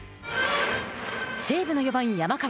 西武の４番、山川。